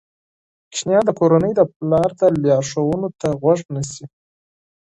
ماشومان د کورنۍ د پلار لارښوونو ته غوږ نیسي.